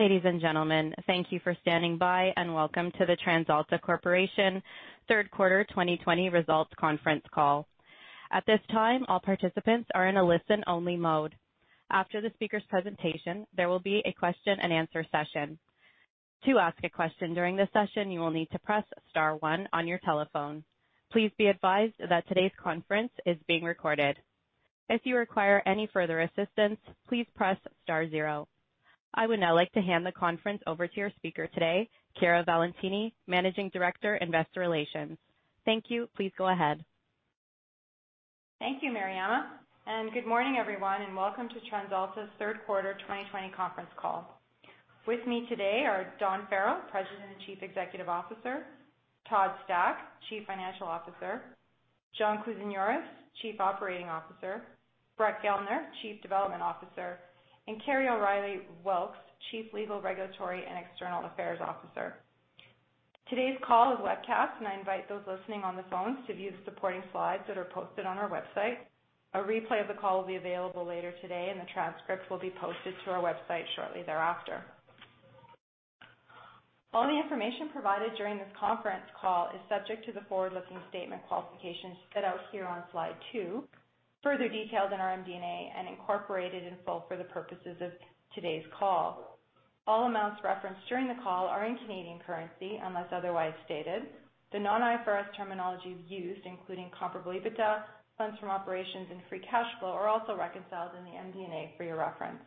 Ladies and gentlemen, thank you for standing by, and welcome to the TransAlta Corporation third quarter 2020 results conference call. At this time, all participants are in a listen-only mode. After the speaker's presentation, there will be a question-and-answer session. To ask a question during the session, you will need to press star one on your telephone. Please be advised that today's conference is being recorded. If you require any further assistance, please press star zero. I would now like to hand the conference over to your speaker today, Chiara Valentini, Managing Director, Investor Relations. Thank you. Please go ahead. Thank you, Marianna, good morning, everyone, and welcome to TransAlta's third quarter 2020 conference call. With me today are Dawn Farrell, President and Chief Executive Officer, Todd Stack, Chief Financial Officer, John Kousinioris, Chief Operating Officer, Brett Gellner, Chief Development Officer, and Kerry O'Reilly Wilks, Chief Legal, Regulatory, and External Affairs Officer. Today's call is webcast, I invite those listening on the phone to view the supporting slides that are posted on our website. A replay of the call will be available later today, the transcripts will be posted to our website shortly thereafter. All the information provided during this conference call is subject to the forward-looking statement qualifications set out here on slide two, further detailed in our MD&A, incorporated in full for the purposes of today's call. All amounts referenced during the call are in Canadian currency, unless otherwise stated. The non-IFRS terminology used, including comparable EBITDA, funds from operations, and free cash flow, are also reconciled in the MD&A for your reference.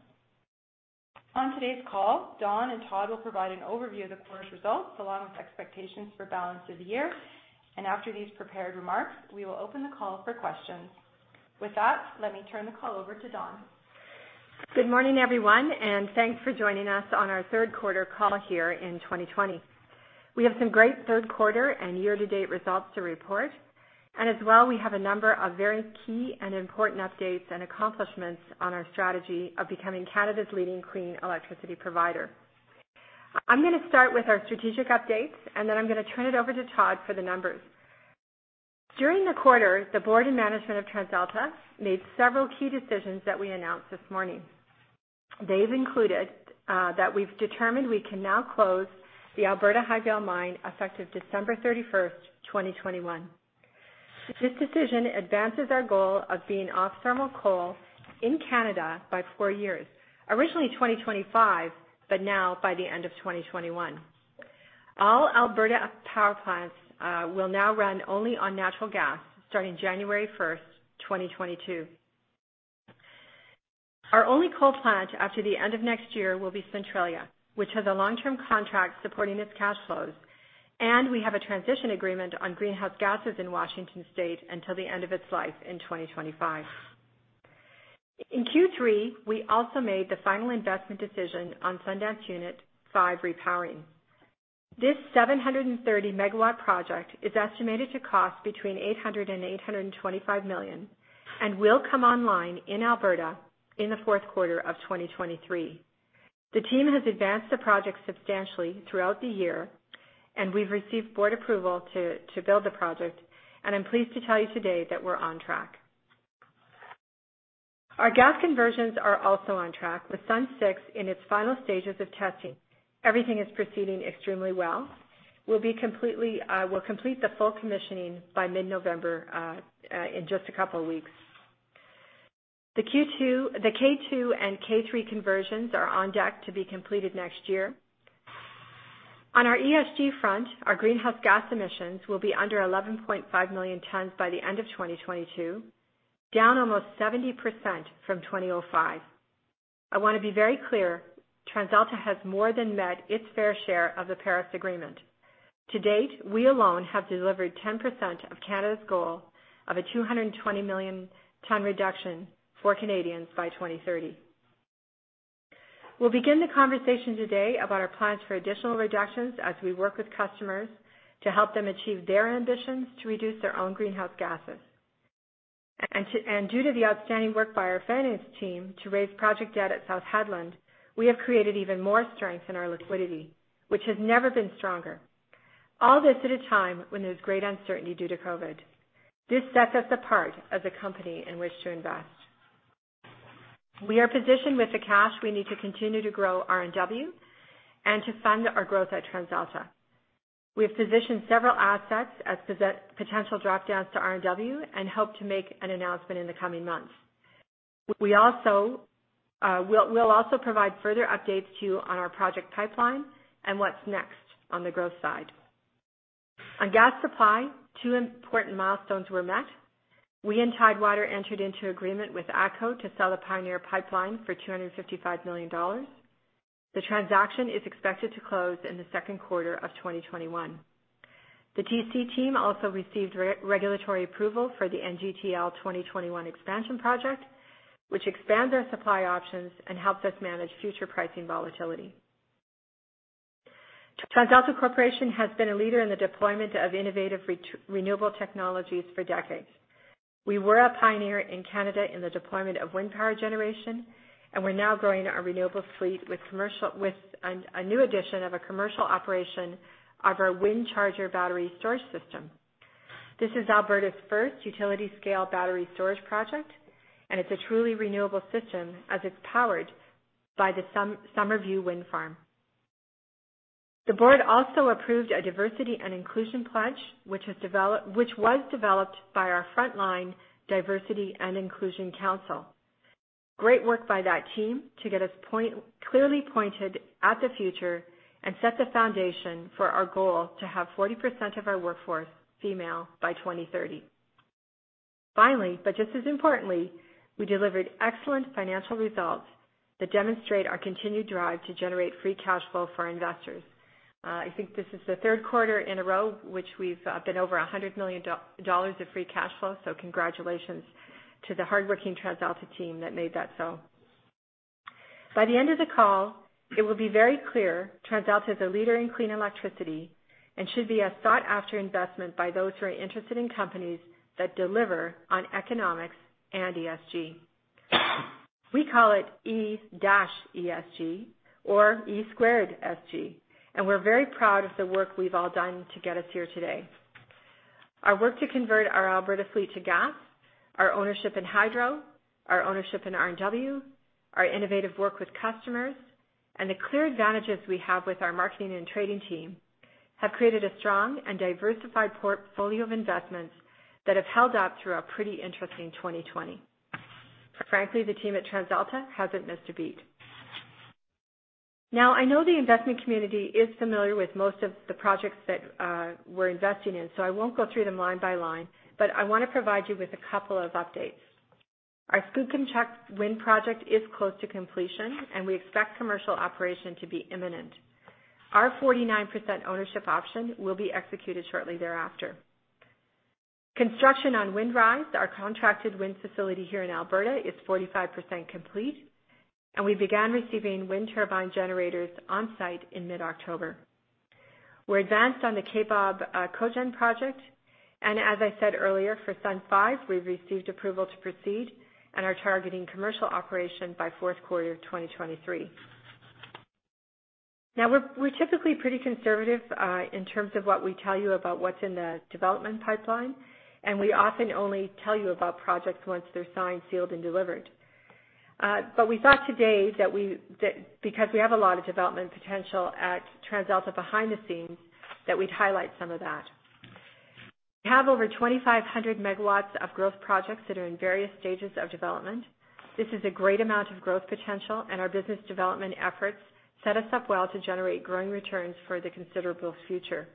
On today's call, Dawn and Todd will provide an overview of the quarter's results, along with expectations for the balance of the year. After these prepared remarks, we will open the call for questions. With that, let me turn the call over to Dawn. Good morning, everyone, and thanks for joining us on our third quarter call here in 2020. We have some great third quarter and year-to-date results to report. As well, we have a number of very key and important updates and accomplishments on our strategy of becoming Canada's leading clean electricity provider. I'm going to start with our strategic updates, and then I'm going to turn it over to Todd Stack for the numbers. During the quarter, the board and management of TransAlta made several key decisions that we announced this morning. They've included that we've determined we can now close the Alberta Highvale Mine effective December 31st, 2021. This decision advances our goal of being off thermal coal in Canada by four years, originally 2025, but now by the end of 2021. All Alberta power plants will now run only on natural gas starting January 1st, 2022. Our only coal plant after the end of next year will be Centralia, which has a long-term contract supporting its cash flows, and we have a transition agreement on greenhouse gases in Washington State until the end of its life in 2025. In Q3, we also made the final investment decision on Sundance Unit 5 repowering. This 730-MW project is estimated to cost between 800 million-825 million, and will come online in Alberta in the fourth quarter of 2023. The team has advanced the project substantially throughout the year, and we've received board approval to build the project, and I'm pleased to tell you today that we're on track. Our gas conversions are also on track, with Sundance 6 in its final stages of testing. Everything is proceeding extremely well. We'll complete the full commissioning by mid-November, in just a couple of weeks. The K2 and K3 conversions are on deck to be completed next year. On our ESG front, our greenhouse gas emissions will be under 11.5 million tons by the end of 2022, down almost 70% from 2005. I want to be very clear, TransAlta has more than met its fair share of the Paris Agreement. To date, we alone have delivered 10% of Canada's goal of a 220-million ton reduction for Canadians by 2030. We'll begin the conversation today about our plans for additional reductions as we work with customers to help them achieve their ambitions to reduce their own greenhouse gases. Due to the outstanding work by our finance team to raise project debt at South Hedland, we have created even more strength in our liquidity, which has never been stronger. All this at a time when there's great uncertainty due to COVID. This sets us apart as a company in which to invest. We are positioned with the cash we need to continue to grow RNW and to fund our growth at TransAlta. We have positioned several assets as potential drop-downs to RNW and hope to make an announcement in the coming months. We will also provide further updates to you on our project pipeline and what is next on the growth side. On gas supply, two important milestones were met. We and Tidewater entered into agreement with ATCO to sell the Pioneer Pipeline for 255 million dollars. The transaction is expected to close in the second quarter of 2021. The TC team also received regulatory approval for the NGTL 2021 expansion project, which expands our supply options and helps us manage future pricing volatility. TransAlta Corporation has been a leader in the deployment of innovative, renewable technologies for decades. We were a pioneer in Canada in the deployment of wind power generation, and we're now growing our renewable fleet with a new addition of a commercial operation of our WindCharger battery storage system. This is Alberta's first utility-scale battery storage project, and it's a truly renewable system as it's powered by the Summerview wind farm. The board also approved a diversity and inclusion pledge, which was developed by our frontline diversity and inclusion council. Great work by that team to get us clearly pointed at the future and set the foundation for our goal to have 40% of our workforce female by 2030. Finally, just as importantly, we delivered excellent financial results that demonstrate our continued drive to generate free cash flow for our investors. I think this is the third quarter in a row which we've been over 100 million dollars of free cash flow. Congratulations to the hardworking TransAlta team that made that so. By the end of the call, it will be very clear TransAlta is a leader in clean electricity and should be a sought-after investment by those who are interested in companies that deliver on economics and ESG. We call it E-ESG or E2SG. We're very proud of the work we've all done to get us here today. Our work to convert our Alberta fleet to gas, our ownership in hydro, our ownership in RNW, our innovative work with customers, and the clear advantages we have with our marketing and trading team have created a strong and diversified portfolio of investments that have held up through a pretty interesting 2020. Frankly, the team at TransAlta hasn't missed a beat. Now, I know the investment community is familiar with most of the projects that we're investing in, so I won't go through them line by line, but I want to provide you with a couple of updates. Our Skookumchuck wind project is close to completion, and we expect commercial operation to be imminent. Our 49% ownership option will be executed shortly thereafter. Construction on Windrise, our contracted wind facility here in Alberta, is 45% complete, and we began receiving wind turbine generators on-site in mid-October. We're advanced on the Kaybob Cogen Project, and as I said earlier, for Sundance 5, we've received approval to proceed and are targeting commercial operation by fourth quarter 2023. Now, we're typically pretty conservative in terms of what we tell you about what's in the development pipeline, we often only tell you about projects once they're signed, sealed, and delivered. We thought today that because we have a lot of development potential at TransAlta behind the scenes, that we'd highlight some of that. We have over 2,500 MWs of growth projects that are in various stages of development. This is a great amount of growth potential, and our business development efforts set us up well to generate growing returns for the considerable future.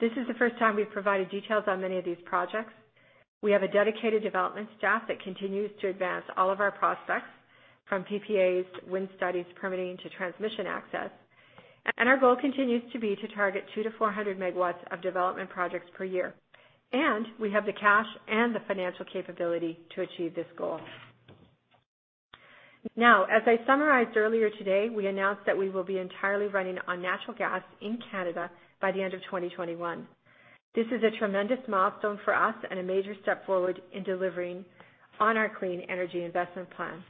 This is the first time we've provided details on many of these projects. We have a dedicated development staff that continues to advance all of our prospects, from PPAs to wind studies, permitting to transmission access. Our goal continues to be to target two to 400 MWs of development projects per year. We have the cash and the financial capability to achieve this goal. Now, as I summarized earlier today, we announced that we will be entirely running on natural gas in Canada by the end of 2021. This is a tremendous milestone for us and a major step forward in delivering on our clean energy investment plan.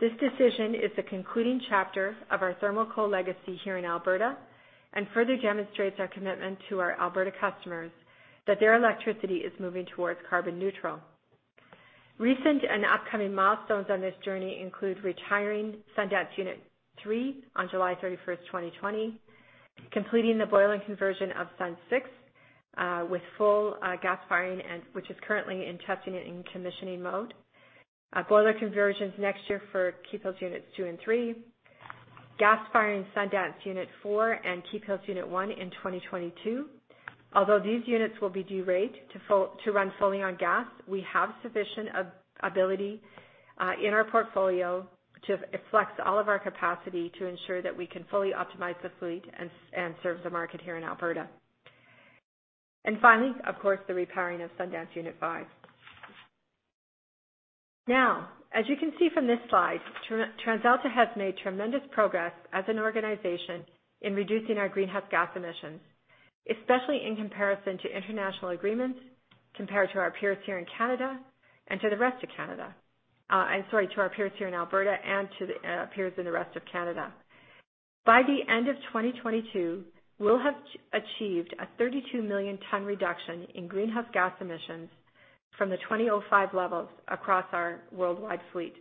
This decision is the concluding chapter of our thermal coal legacy here in Alberta and further demonstrates our commitment to our Alberta customers that their electricity is moving towards carbon neutral. Recent and upcoming milestones on this journey include retiring Sundance Unit 3 on July 31st, 2020, completing the boiler conversion of Sundance 6, with full gas firing, which is currently in testing and in commissioning mode. Boiler conversions next year for Keephills Units 2 and 3. Gas-firing Sundance Unit 4 and Keephills Unit 1 in 2022. Although these units will be de-rated to run fully on gas, we have sufficient ability in our portfolio to flex all of our capacity to ensure that we can fully optimize the fleet and serve the market here in Alberta. Finally, of course, the repowering of Sundance Unit 5. As you can see from this slide, TransAlta has made tremendous progress as an organization in reducing our greenhouse gas emissions, especially in comparison to international agreements, compared to our peers here in Alberta and to the peers in the rest of Canada. By the end of 2022, we'll have achieved a 32 million ton reduction in greenhouse gas emissions from the 2005 levels across our worldwide fleet.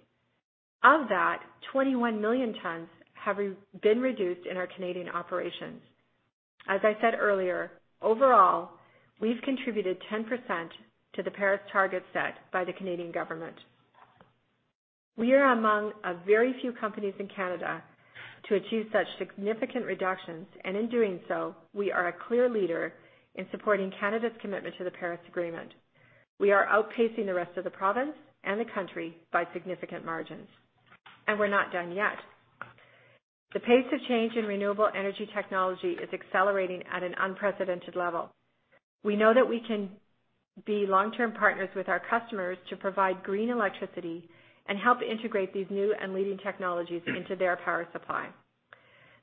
Of that, 21 million tons have been reduced in our Canadian operations. As I said earlier, overall, we've contributed 10% to the Paris target set by the Canadian government. We are among a very few companies in Canada to achieve such significant reductions, and in doing so, we are a clear leader in supporting Canada's commitment to the Paris Agreement. We are outpacing the rest of the province and the country by significant margins. We're not done yet. The pace of change in renewable energy technology is accelerating at an unprecedented level. We know that we can be long-term partners with our customers to provide green electricity and help integrate these new and leading technologies into their power supply.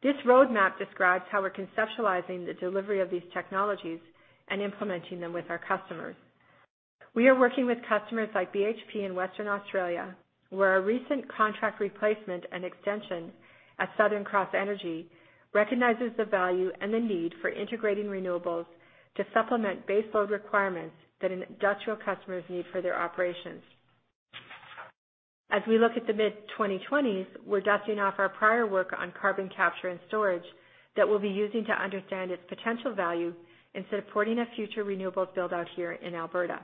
This roadmap describes how we're conceptualizing the delivery of these technologies and implementing them with our customers. We are working with customers like BHP in Western Australia, where our recent contract replacement and extension at Southern Cross Energy recognizes the value and the need for integrating renewables to supplement base load requirements that industrial customers need for their operations. As we look at the mid-2020s, we're dusting off our prior work on carbon capture and storage that we'll be using to understand its potential value in supporting a future renewable build-out here in Alberta.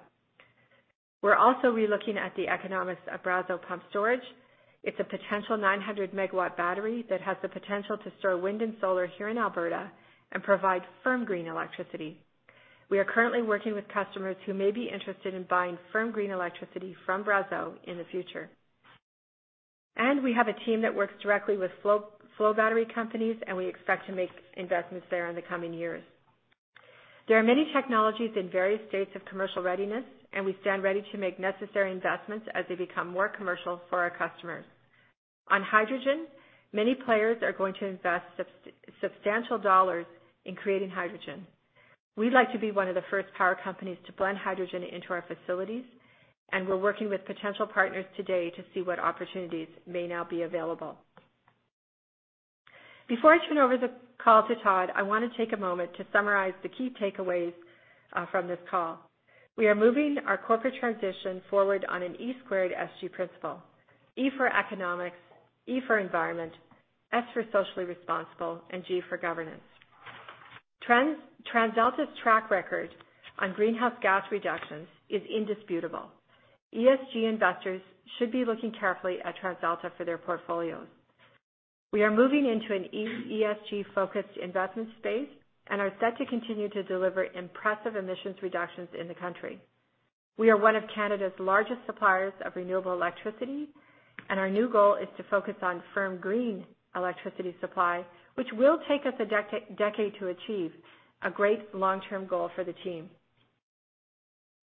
We're also relooking at the economics of Brazeau Pumped Storage. It's a potential 900-MW battery that has the potential to store wind and solar here in Alberta and provide firm green electricity. We are currently working with customers who may be interested in buying firm green electricity from Brazeau in the future. We have a team that works directly with flow battery companies, and we expect to make investments there in the coming years. There are many technologies in various states of commercial readiness, and we stand ready to make necessary investments as they become more commercial for our customers. On hydrogen, many players are going to invest substantial dollars in creating hydrogen. We'd like to be one of the first power companies to blend hydrogen into our facilities, and we're working with potential partners today to see what opportunities may now be available. Before I turn over the call to Todd, I want to take a moment to summarize the key takeaways from this call. We are moving our corporate transition forward on an E2SG principle. E for economics, E for environment, S for socially responsible, and G for governance. TransAlta's track record on greenhouse gas reductions is indisputable. ESG investors should be looking carefully at TransAlta for their portfolios. We are moving into an ESG-focused investment space and are set to continue to deliver impressive emissions reductions in the country. We are one of Canada's largest suppliers of renewable electricity, and our new goal is to focus on firm green electricity supply, which will take us a decade to achieve. A great long-term goal for the team.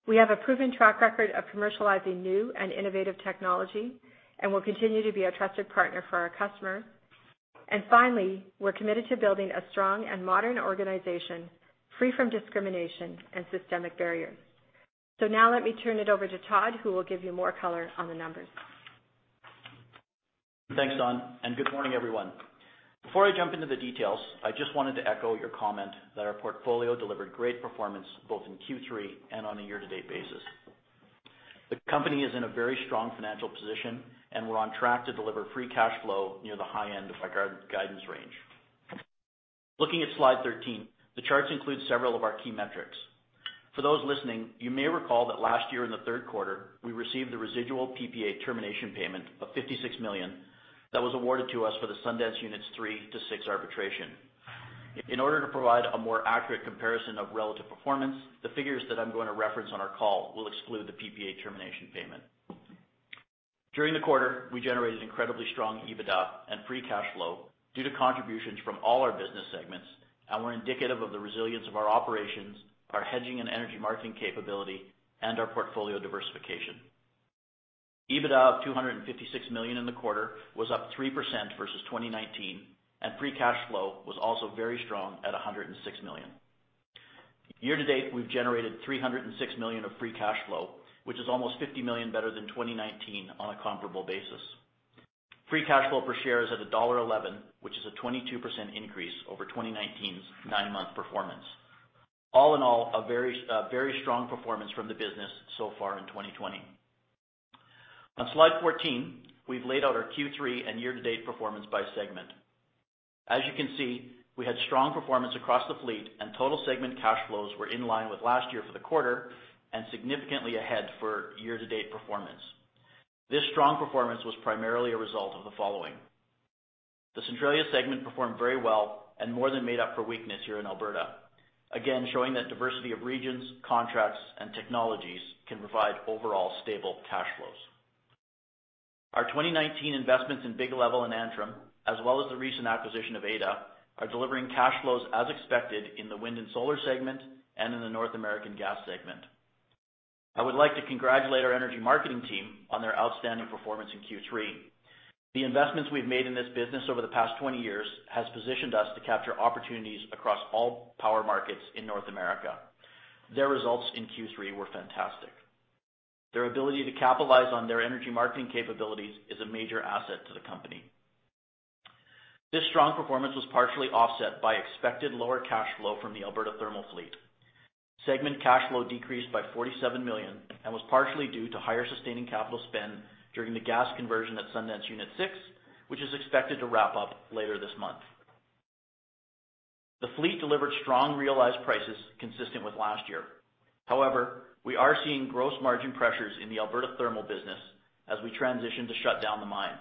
We have a proven track record of commercializing new and innovative technology, and we'll continue to be a trusted partner for our customers. Finally, we're committed to building a strong and modern organization, free from discrimination and systemic barriers. Now let me turn it over to Todd, who will give you more color on the numbers. Thanks, Dawn. Good morning, everyone. Before I jump into the details, I just wanted to echo your comment that our portfolio delivered great performance both in Q3 and on a year-to-date basis. The company is in a very strong financial position. We're on track to deliver free cash flow near the high end of our guidance range. Looking at slide 13, the charts include several of our key metrics. For those listening, you may recall that last year in the third quarter, we received a residual PPA termination payment of 56 million that was awarded to us for the Sundance Units 3 to Sundance Units 6 arbitration. In order to provide a more accurate comparison of relative performance, the figures that I'm going to reference on our call will exclude the PPA termination payment. During the quarter, we generated incredibly strong EBITDA and free cash flow due to contributions from all our business segments and were indicative of the resilience of our operations, our hedging and energy marketing capability, and our portfolio diversification. EBITDA of 256 million in the quarter was up 3% versus 2019, and free cash flow was also very strong at 106 million. Year-to-date, we've generated 306 million of free cash flow, which is almost 50 million better than 2019 on a comparable basis. Free cash flow per share is at dollar 1.11, which is a 22% increase over 2019's nine-month performance. All in all, a very strong performance from the business so far in 2020. On slide 14, we've laid out our Q3 and year-to-date performance by segment. As you can see, we had strong performance across the fleet and total segment cash flows were in line with last year for the quarter and significantly ahead for year-to-date performance. This strong performance was primarily a result of the following. The Centralia segment performed very well and more than made up for weakness here in Alberta, again, showing that diversity of regions, contracts, and technologies can provide overall stable cash flows. Our 2019 investments in Big Level and Antrim, as well as the recent acquisition of Ada, are delivering cash flows as expected in the wind and solar segment and in the North American gas segment. I would like to congratulate our energy marketing team on their outstanding performance in Q3. The investments we've made in this business over the past 20 years has positioned us to capture opportunities across all power markets in North America. Their results in Q3 were fantastic. Their ability to capitalize on their energy marketing capabilities is a major asset to the company. This strong performance was partially offset by expected lower cash flow from the Alberta thermal fleet. Segment cash flow decreased by 47 million and was partially due to higher sustaining capital spend during the gas conversion at Sundance Unit 6, which is expected to wrap up later this month. The fleet delivered strong realized prices consistent with last year. However, we are seeing gross margin pressures in the Alberta thermal business as we transition to shut down the mine.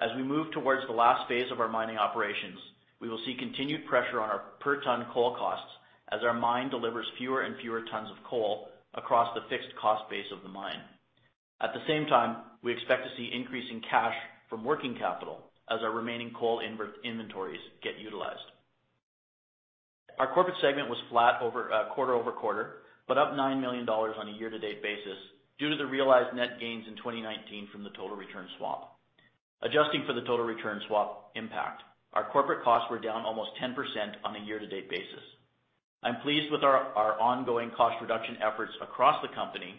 As we move towards the last phase of our mining operations, we will see continued pressure on our per-ton coal costs as our mine delivers fewer and fewer tons of coal across the fixed cost base of the mine. At the same time, we expect to see increase in cash from working capital as our remaining coal inventories get utilized. Our corporate segment was flat quarter-over-quarter, but up 9 million dollars on a year-to-date basis due to the realized net gains in 2019 from the total return swap. Adjusting for the total return swap impact, our corporate costs were down almost 10% on a year-to-date basis. I'm pleased with our ongoing cost reduction efforts across the company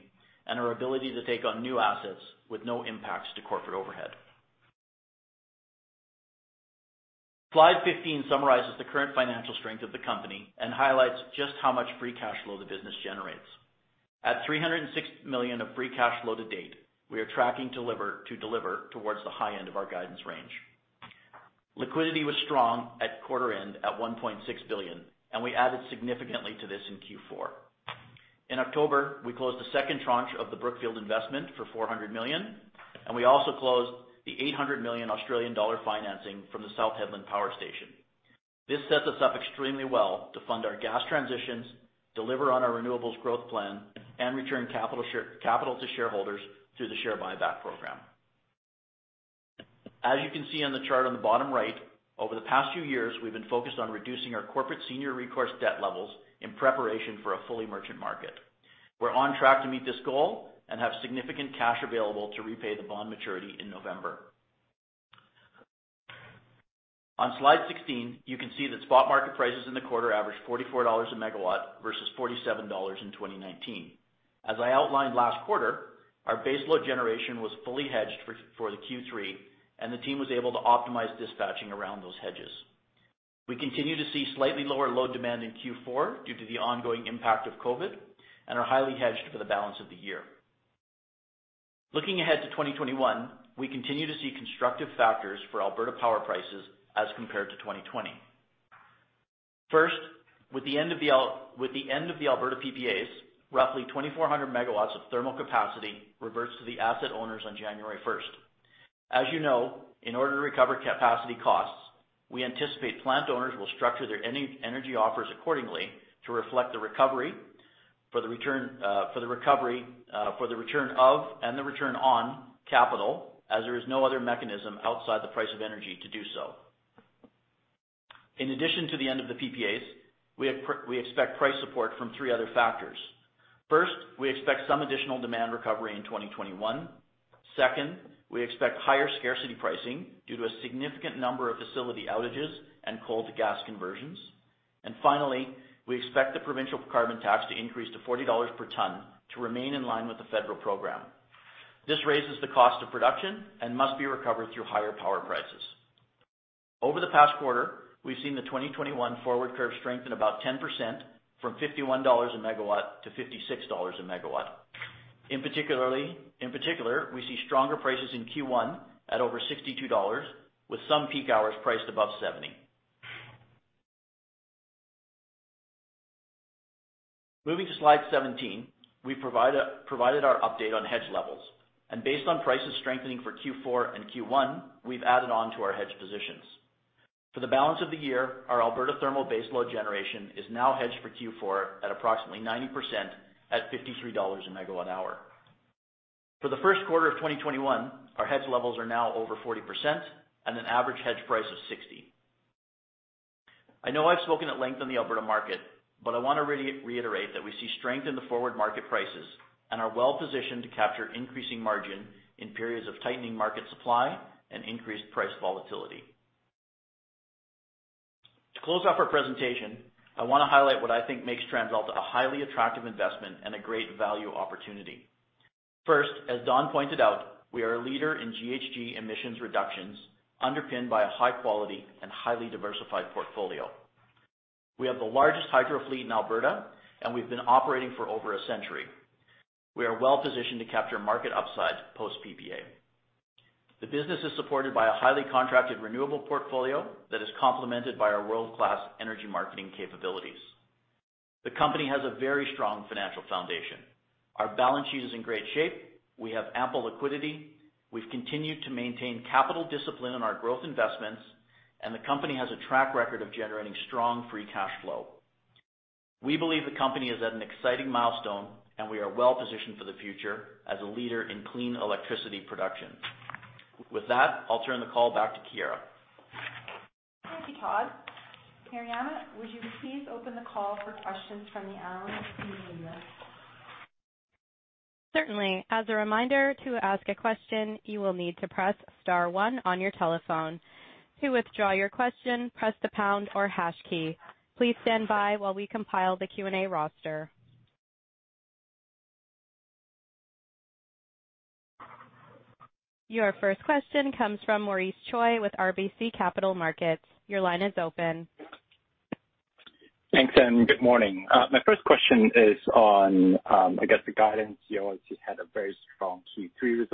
and our ability to take on new assets with no impacts to corporate overhead. Slide 15 summarizes the current financial strength of the company and highlights just how much free cash flow the business generates. At 306 million of free cash flow to date, we are tracking to deliver towards the high end of our guidance range. Liquidity was strong at quarter end at 1.6 billion. We added significantly to this in Q4. In October, we closed the second tranche of the Brookfield investment for 400 million. We also closed the 800 million Australian dollar financing from the South Hedland Power Station. This sets us up extremely well to fund our gas transitions, deliver on our renewables growth plan, and return capital to shareholders through the share buyback program. As you can see on the chart on the bottom right, over the past few years, we've been focused on reducing our corporate senior recourse debt levels in preparation for a fully merchant market. We're on track to meet this goal and have significant cash available to repay the bond maturity in November. On slide 16, you can see that spot market prices in the quarter averaged 44 dollars a MW versus 47 dollars in 2019. As I outlined last quarter, our baseload generation was fully hedged for the Q3, and the team was able to optimize dispatching around those hedges. We continue to see slightly lower load demand in Q4 due to the ongoing impact of COVID and are highly hedged for the balance of the year. Looking ahead to 2021, we continue to see constructive factors for Alberta power prices as compared to 2020. First, with the end of the Alberta PPAs, roughly 2,400 MWs of thermal capacity reverts to the asset owners on January 1st. As you know, in order to recover capacity costs, we anticipate plant owners will structure their energy offers accordingly to reflect the recovery for the return of and the return on capital, as there is no other mechanism outside the price of energy to do so. In addition to the end of the PPAs, we expect price support from three other factors. First, we expect some additional demand recovery in 2021. Second, we expect higher scarcity pricing due to a significant number of facility outages and coal-to-gas conversions. Finally, we expect the provincial carbon tax to increase to 40 dollars per ton to remain in line with the federal program. This raises the cost of production and must be recovered through higher power prices. Over the past quarter, we've seen the 2021 forward curve strengthen about 10%, from 51 dollars a MW to 56 dollars a MW. In particular, we see stronger prices in Q1 at over 62 dollars, with some peak hours priced above 70. Moving to slide 17. We provided our update on hedge levels. Based on prices strengthening for Q4 and Q1, we've added on to our hedge positions. For the balance of the year, our Alberta thermal baseload generation is now hedged for Q4 at approximately 90% at 53 dollars a MWh. For the first quarter of 2021, our hedge levels are now over 40% and an average hedge price of 60. I know I've spoken at length on the Alberta market, I want to reiterate that we see strength in the forward market prices and are well-positioned to capture increasing margin in periods of tightening market supply and increased price volatility. To close off our presentation, I want to highlight what I think makes TransAlta a highly attractive investment and a great value opportunity. First, as Dawn pointed out, we are a leader in GHG emissions reductions underpinned by a high-quality and highly diversified portfolio. We have the largest hydro fleet in Alberta, we've been operating for over a century. We are well-positioned to capture market upside post-PPA. The business is supported by a highly contracted renewable portfolio that is complemented by our world-class energy marketing capabilities. The company has a very strong financial foundation. Our balance sheet is in great shape. We have ample liquidity. We've continued to maintain capital discipline in our growth investments, and the company has a track record of generating strong free cash flow. We believe the company is at an exciting milestone, and we are well-positioned for the future as a leader in clean electricity production. With that, I'll turn the call back to Chiara. Thank you, Todd. Marianna, would you please open the call for questions from the analyst community members? Certainly. As a reminder, to ask a question, you will need to press star one on your telephone. To withdraw your question, press the pound or hash key. Please stand by while we compile the Q&A roster. Your first question comes from Maurice Choy with RBC Capital Markets. Your line is open. Thanks, and good morning. My first question is on, I guess, the guidance. You obviously had a very strong Q3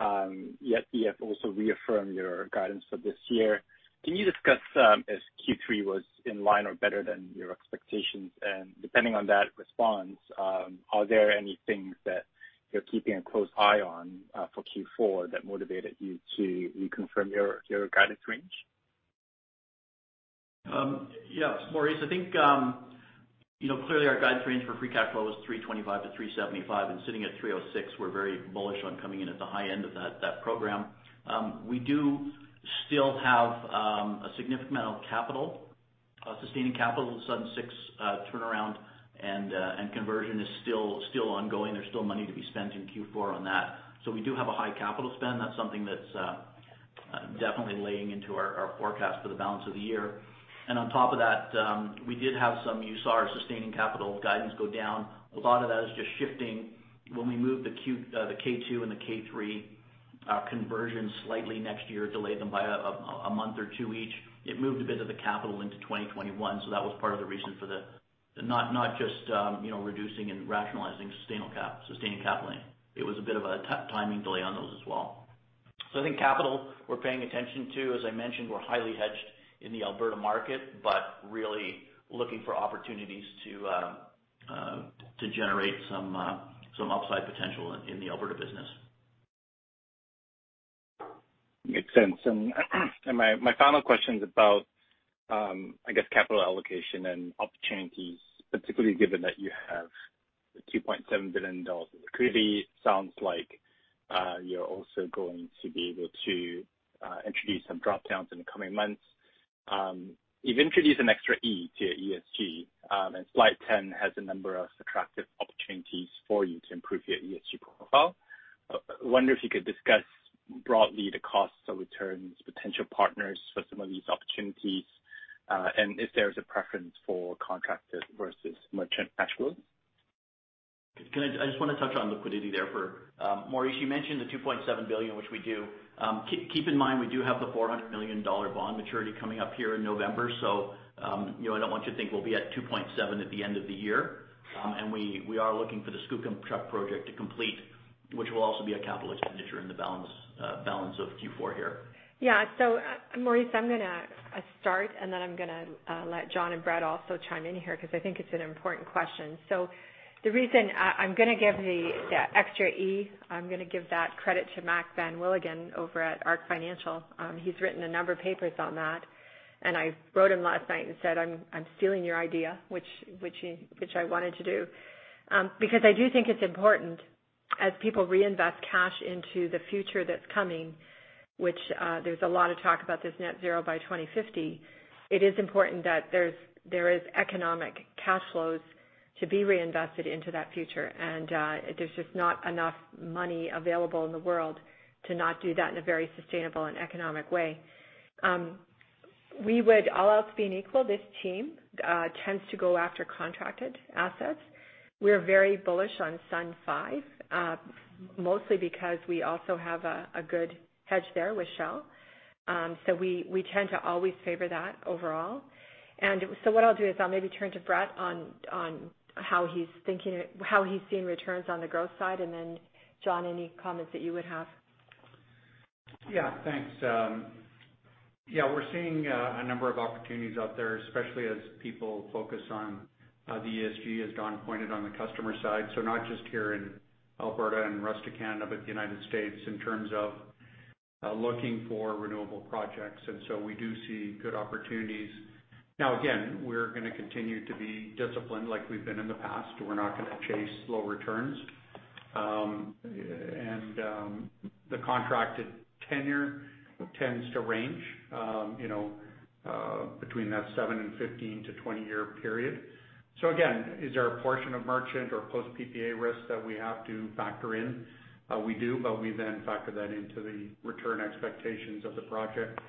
result. Yet you have also reaffirmed your guidance for this year. Can you discuss, as Q3 was in line or better than your expectations? Depending on that response, are there any things that you're keeping a close eye on for Q4 that motivated you to reconfirm your guidance range? Yes, Maurice. I think, clearly our guidance range for free cash flow was 325-375. Sitting at 306, we're very bullish on coming in at the high end of that program. We do still have a significant amount of capital. Sustaining capital at Sun 6 turnaround and conversion is still ongoing. There's still money to be spent in Q4 on that. We do have a high capital spend. That's something that's definitely laying into our forecast for the balance of the year. On top of that, you saw our sustaining capital guidance go down. A lot of that is just shifting when we move the K2 and the K3 conversion slightly next year, delay them by a month or two each. It moved a bit of the capital into 2021, so that was part of the reason for the not just reducing and rationalizing sustaining capital in. It was a bit of a timing delay on those as well. I think capital, we're paying attention to. As I mentioned, we're highly hedged in the Alberta market, but really looking for opportunities to generate some upside potential in the Alberta business. Makes sense. My final question is about, I guess, capital allocation and opportunities, particularly given that you have the 2.7 billion dollars. It clearly sounds like you're also going to be able to introduce some dropdowns in the coming months. You've introduced an extra E to your ESG, and slide 10 has a number of attractive opportunities for you to improve your ESG profile. I wonder if you could discuss broadly the costs or returns, potential partners for some of these opportunities, and if there is a preference for contracted versus merchant cash flow. I just want to touch on liquidity there for Maurice. You mentioned the 2.7 billion, which we do. Keep in mind, we do have the 400 million dollar bond maturity coming up here in November, so I don't want you to think we'll be at 2.7 at the end of the year. We are looking for the Skookumchuck project to complete, which will also be a capital expenditure in the balance of Q4 here. Yeah. Maurice, I'm going to start, and then I'm going to let John and Brett also chime in here because I think it's an important question. The reason I'm going to give the extra E, I'm going to give that credit to Mac Van Wielingen over at ARC Financial. He's written a number of papers on that. I wrote him last night and said, "I'm stealing your idea," which I wanted to do. I do think it's important as people reinvest cash into the future that's coming, which there's a lot of talk about this Net Zero by 2050. It is important that there is economic cash flows to be reinvested into that future. There's just not enough money available in the world to not do that in a very sustainable and economic way. We would, all else being equal, this team tends to go after contracted assets. We are very bullish on Sun 5 mostly because we also have a good hedge there with Shell. We tend to always favor that overall. What I'll do is I'll maybe turn to Brett on how he's seeing returns on the growth side, and then John, any comments that you would have? Yeah, thanks. Yeah, we're seeing a number of opportunities out there, especially as people focus on the ESG, as Dawn pointed on the customer side. Not just here in Alberta and rest of Canada, but the United States in terms of looking for renewable projects. We do see good opportunities. Now, again, we're going to continue to be disciplined like we've been in the past. We're not going to chase low returns. And the contracted tenure tends to range between that seven and 15-20 year period. Again, is there a portion of merchant or post-PPA risk that we have to factor in? We do, but we then factor that into the return expectations of the project.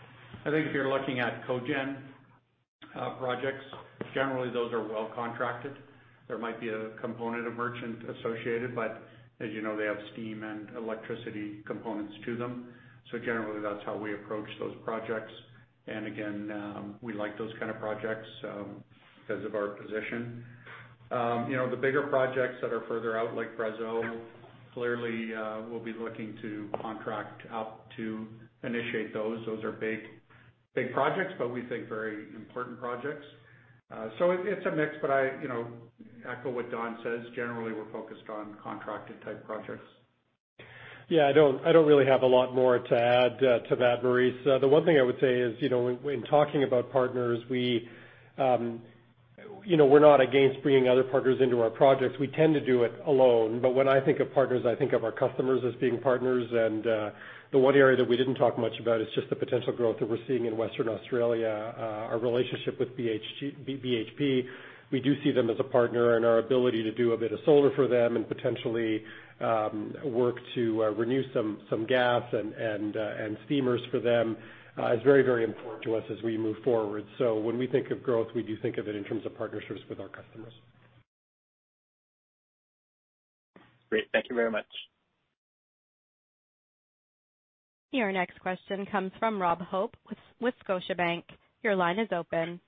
I think if you're looking at cogeneration projects, generally those are well-contracted. There might be a component of merchant associated, but as you know, they have steam and electricity components to them. Generally, that's how we approach those projects. Again, we like those kind of projects because of our position. The bigger projects that are further out, like Brazeau, clearly, we'll be looking to contract out to initiate those. Those are big projects, but we think very important projects. It's a mix, but I echo what Dawn says. Generally, we're focused on contracted type projects. Yeah, I don't really have a lot more to add to that, Maurice. The one thing I would say is, in talking about partners, we're not against bringing other partners into our projects. We tend to do it alone. When I think of partners, I think of our customers as being partners, and the one area that we didn't talk much about is just the potential growth that we're seeing in Western Australia. Our relationship with BHP, we do see them as a partner, and our ability to do a bit of solar for them and potentially work to renew some gas and steamers for them is very, very important to us as we move forward. When we think of growth, we do think of it in terms of partnerships with our customers. Great. Thank you very much. Your next question comes from Rob Hope with Scotiabank. Your line is open.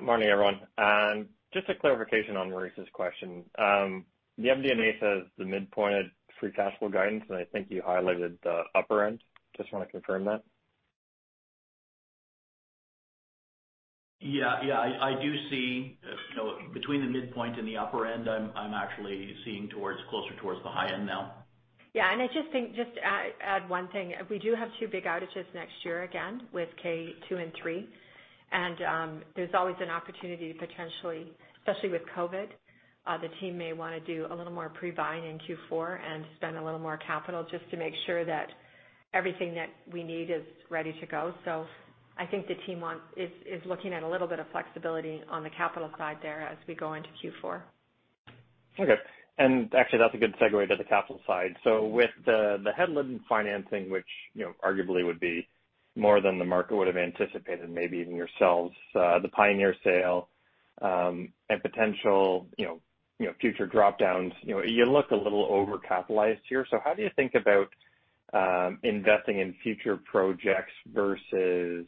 Morning, everyone. Just a clarification on Maurice's question. The MD&A says the midpoint free cash flow guidance, and I think you highlighted the upper end. Just want to confirm that. Yeah. I do see between the midpoint and the upper end, I'm actually seeing closer towards the high end now. I just think, just to add one thing. We do have two big outages next year, again, with K2 and K3. There's always an opportunity potentially, especially with COVID, the team may want to do a little more pre-buying in Q4 and spend a little more capital just to make sure that everything that we need is ready to go. I think the team is looking at a little bit of flexibility on the capital side there as we go into Q4. Okay. Actually that's a good segue to the capital side. With the Hedland financing, which arguably would be more than the market would have anticipated, maybe even yourselves, the Pioneer sale, and potential future drop-downs, you look a little over-capitalized here. How do you think about investing in future projects versus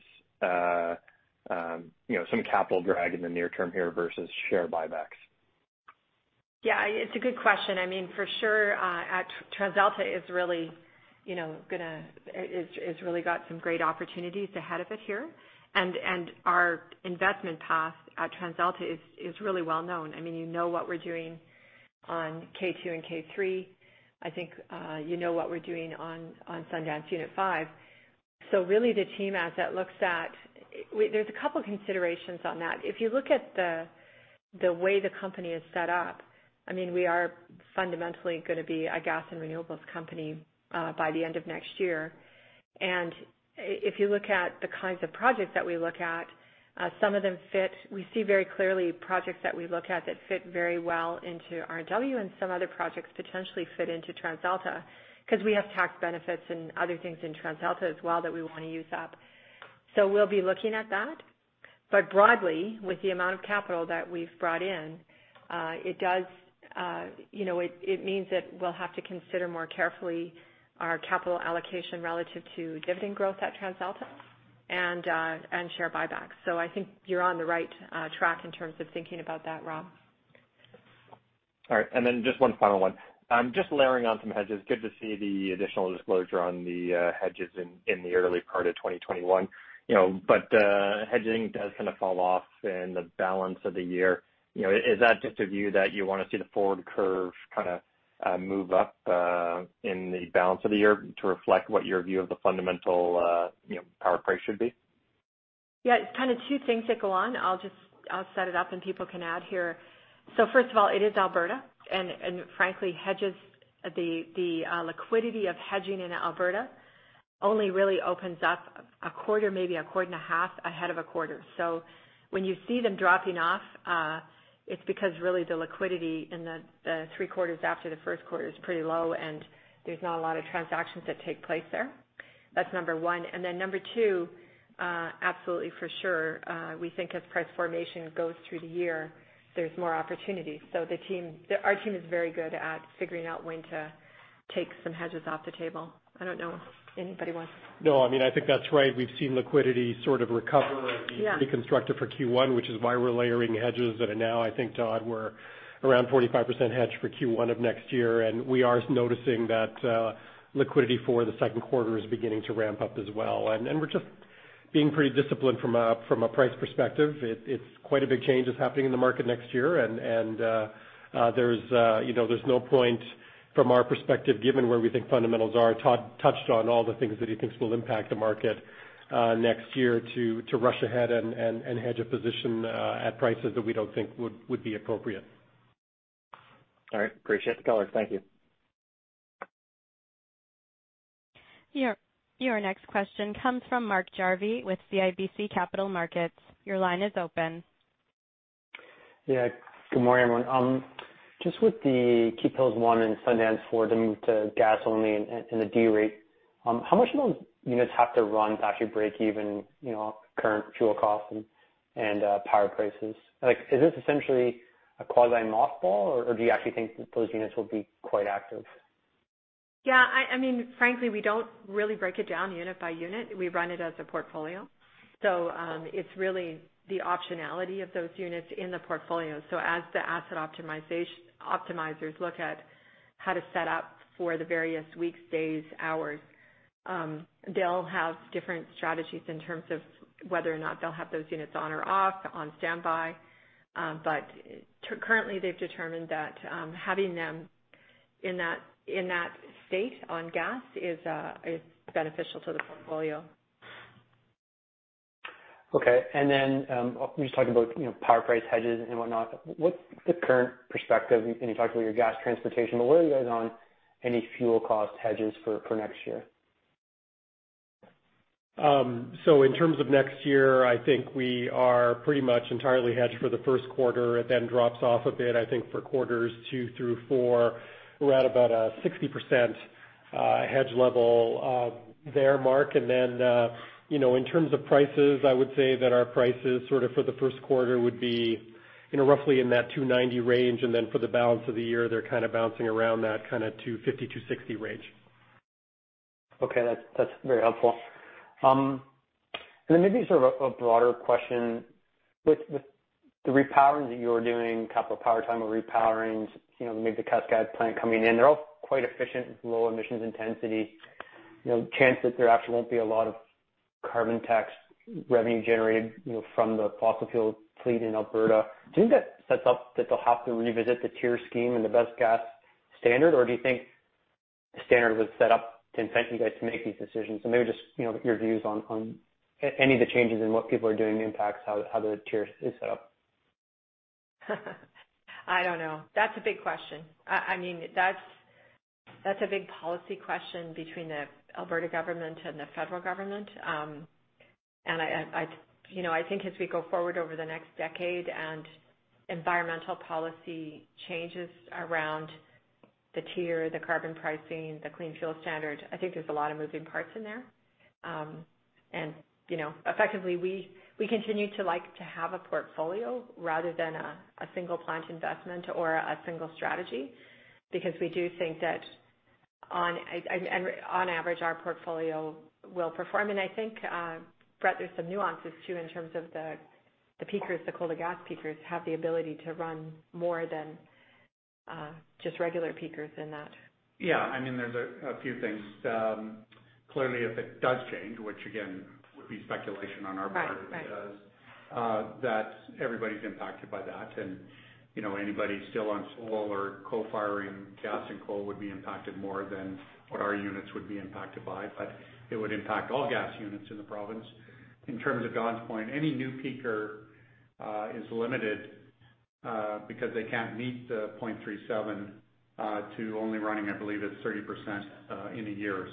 some capital drag in the near term here versus share buybacks? Yeah. It's a good question. For sure, TransAlta is really got some great opportunities ahead of it here and our investment path at TransAlta is really well-known. You know what we're doing on K2 and K3. I think you know what we're doing on Sundance Unit 5. There's a couple considerations on that. If you look at the way the company is set up, we are fundamentally going to be a gas and renewables company by the end of next year. If you look at the kinds of projects that we look at, some of them fit. We see very clearly projects that we look at that fit very well into RNW and some other projects potentially fit into TransAlta, because we have tax benefits and other things in TransAlta as well that we want to use up. We'll be looking at that. Broadly, with the amount of capital that we've brought in, it means that we'll have to consider more carefully our capital allocation relative to dividend growth at TransAlta and share buybacks. I think you're on the right track in terms of thinking about that, Rob. All right. Just one final one. Just layering on some hedges. Good to see the additional disclosure on the hedges in the early part of 2021. Hedging does kind of fall off in the balance of the year. Is that just a view that you want to see the forward curve kind of move up in the balance of the year to reflect what your view of the fundamental power price should be? Yeah. It's kind of two things that go on. I'll set it up and people can add here. First of all, it is Alberta, and frankly, the liquidity of hedging in Alberta only really opens up a quarter, maybe a quarter and a half ahead of a quarter. When you see them dropping off, it's because really the liquidity in the three quarters after the first quarter is pretty low, and there's not a lot of transactions that take place there. That's number one. Number two, absolutely for sure, we think as price formation goes through the year, there's more opportunity. Our team is very good at figuring out when to take some hedges off the table. No, I think that's right. We've seen liquidity sort of recover. Yeah Deconstructive for Q1, which is why we're layering hedges. Now I think, Todd, we're around 45% hedge for Q1 of next year, and we are noticing that liquidity for the second quarter is beginning to ramp up as well. We're just being pretty disciplined from a price perspective. It's quite a big change that's happening in the market next year and there's no point from our perspective, given where we think fundamentals are. Todd touched on all the things that he thinks will impact the market next year to rush ahead and hedge a position at prices that we don't think would be appropriate. All right. Appreciate the color. Thank you. Your next question comes from Mark Jarvi with CIBC Capital Markets. Your line is open. Good morning, everyone. With the Keephills 1 and Sundance 4, the move to gas only and the d-rate, how much do those units have to run to actually break even current fuel costs and power prices? Is this essentially a quasi-mothball, or do you actually think that those units will be quite active? Frankly, we don't really break it down unit by unit. We run it as a portfolio. It's really the optionality of those units in the portfolio. As the asset optimizers look at how to set up for the various weeks, days, hours, they'll have different strategies in terms of whether or not they'll have those units on or off, on standby. Currently, they've determined that having them in that state on gas is beneficial to the portfolio. Okay. You talked about power price hedges and whatnot. What's the current perspective? You talked about your gas transportation, but where are you guys on any fuel cost hedges for next year? In terms of next year, I think we are pretty much entirely hedged for the first quarter. It then drops off a bit, I think for quarters two through four. We're at about a 60% hedge level there, Mark. In terms of prices, I would say that our prices sort of for the first quarter would be roughly in that 290 range. For the balance of the year, they're kind of bouncing around that kind of 250, 260 range. Okay. That's very helpful. Then maybe sort of a broader question. With the repowering that you're doing, couple of power time repowerings, maybe the Cascade plant coming in, they're all quite efficient with low emissions intensity. Chance that there actually won't be a lot of carbon tax revenue generated from the fossil fuel fleet in Alberta. Do you think that sets up that they'll have to revisit the TIER scheme and the best gas standard, or do you think the standard was set up to incent you guys to make these decisions? Maybe just your views on any of the changes in what people are doing impacts how the TIER is set up. I don't know. That's a big question. That's a big policy question between the Alberta government and the federal government. I think as we go forward over the next decade and environmental policy changes around the TIER, the carbon pricing, the Clean Fuel Standard, I think there's a lot of moving parts in there. Effectively, we continue to like to have a portfolio rather than a single-plant investment or a single strategy, because we do think that on average, our portfolio will perform. I think, Brett, there's some nuances too in terms of the peakers, the cold-to-gas peakers have the ability to run more than just regular peakers in that. Yeah, there's a few things. Clearly, if it does change, which again, would be speculation. Right that everybody's impacted by that. Anybody still on coal or co-firing gas and coal would be impacted more than what our units would be impacted by, but it would impact all gas units in the province. In terms of Dawn's point, any new peaker is limited because they can't meet the 0.37 to only running, I believe it's 30% in a year.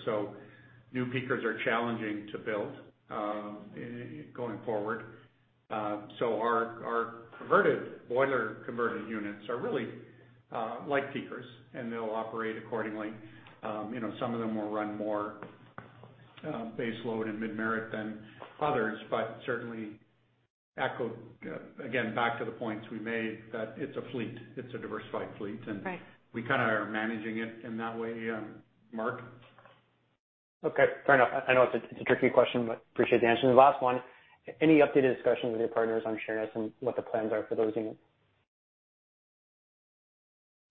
New peakers are challenging to build going forward. Our boiler-converted units are really like peakers, and they'll operate accordingly. Some of them will run more base load and mid-merit than others, but certainly echo, again, back to the points we made, that it's a fleet. It's a diversified fleet. Right. We are managing it in that way. Mark? Okay. Fair enough. I know it's a tricky question, but appreciate the answer. The last one, any updated discussions with your partners on Sheerness and what the plans are for those units?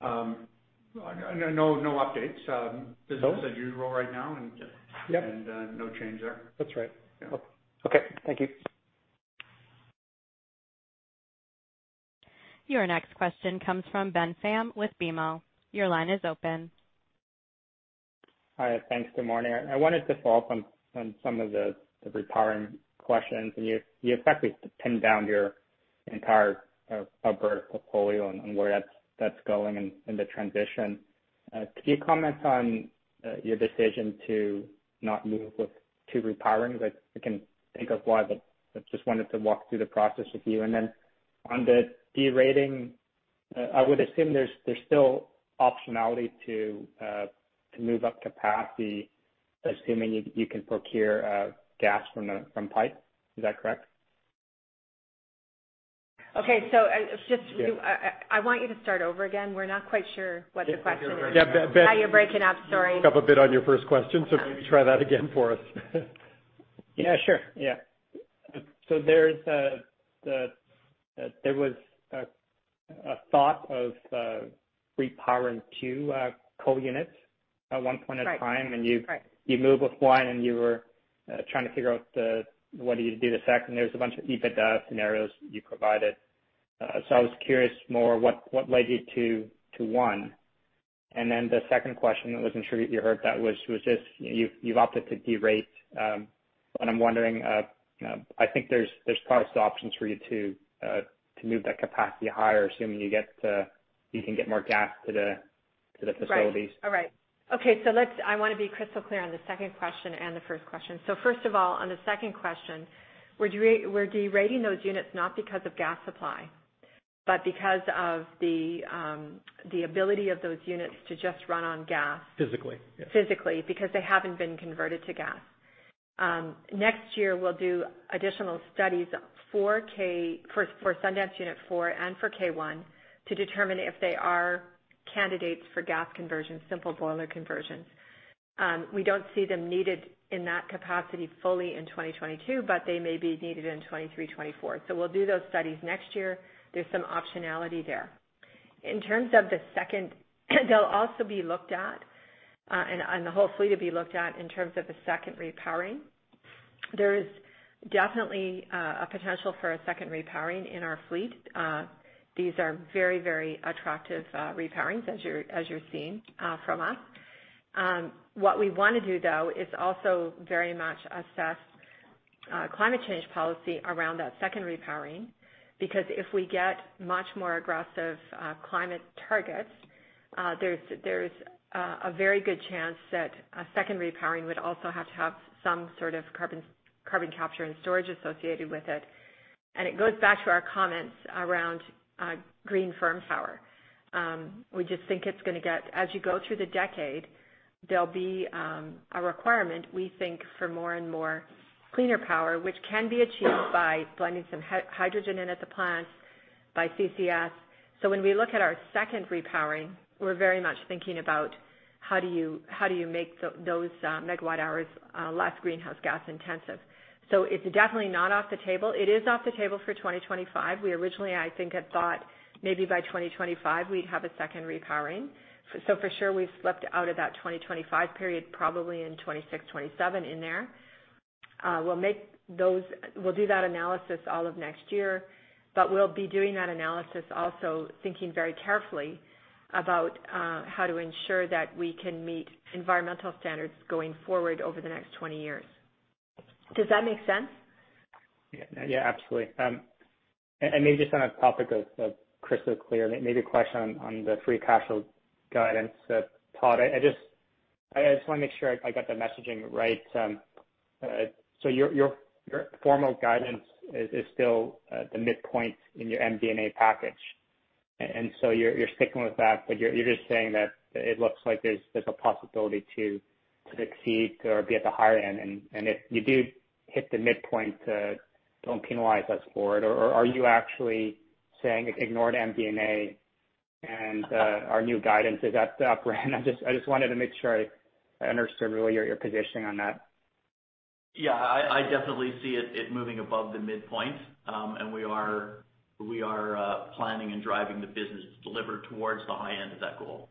No updates. No? Business as usual right now. Yep No change there. That's right. Yeah. Okay. Thank you. Your next question comes from Ben Pham with BMO. Your line is open. Hi. Thanks. Good morning. I wanted to follow up on some of the repowering questions, you effectively pinned down your entire Alberta portfolio and where that's going in the transition. Could you comment on your decision to not move with two repowerings? I can think of why, but just wanted to walk through the process with you. Then on the de-rating, I would assume there's still optionality to move up capacity, assuming you can procure gas from pipe. Is that correct? Okay. Yeah I want you to start over again. We're not quite sure what the question is. Yeah. Now you're breaking up. Sorry. You broke up a bit on your first question, so maybe try that again for us. Yeah, sure. There was a thought of repowering two coal units at one point in time. Right. You moved with one, and you were trying to figure out whether you'd do the second. There was a bunch of EBITDA scenarios you provided. I was curious more what led you to one. Then the second question, I wasn't sure if you heard that, was just you've opted to de-rate. I'm wondering, I think there's product options for you to move that capacity higher, assuming you can get more gas to the facilities. Right. Okay. I want to be crystal clear on the second question and the first question. First of all, on the second question, we're de-rating those units not because of gas supply, but because of the ability of those units to just run on gas. Physically, yeah. Physically, because they haven't been converted to gas. Next year we'll do additional studies for Sundance Unit 4 and for Keephills 1 to determine if they are candidates for gas conversion, simple boiler conversions. We don't see them needed in that capacity fully in 2022, but they may be needed in 2023, 2024. We'll do those studies next year. There's some optionality there. In terms of the second, they'll also be looked at, and the whole fleet will be looked at in terms of a second repowering. There is definitely a potential for a second repowering in our fleet. These are very attractive repowerings, as you're seeing from us. What we want to do, though, is also very much assess climate change policy around that second repowering. If we get much more aggressive climate targets, there's a very good chance that a second repowering would also have to have some sort of carbon capture and storage associated with it. It goes back to our comments around green firm power. We just think as you go through the decade, there'll be a requirement, we think, for more and more cleaner power, which can be achieved by blending some hydrogen in at the plant, by CCS. When we look at our second repowering, we're very much thinking about how do you make those MW hours less greenhouse gas intensive. It's definitely not off the table. It is off the table for 2025. We originally, I think, had thought maybe by 2025 we'd have a second repowering. For sure we've slipped out of that 2025 period, probably in 2026, 2027 in there. We'll do that analysis all of next year, but we'll be doing that analysis also thinking very carefully about how to ensure that we can meet environmental standards going forward over the next 20 years. Does that make sense? Yeah, absolutely. Maybe just on the topic of crystal clear, maybe a question on the free cash flow guidance that Todd-- I just want to make sure I got the messaging right. Your formal guidance is still the midpoint in your MD&A package, you're sticking with that, but you're just saying that it looks like there's a possibility to succeed or be at the higher end. If you do hit the midpoint, don't penalize us for it. Are you actually saying ignore the MD&A and our new guidance is at the upper end? I just wanted to make sure I understood really your positioning on that. Yeah, I definitely see it moving above the midpoint. We are planning and driving the business to deliver towards the high end of that goal.